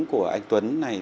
của anh tuấn này